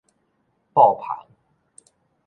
布篷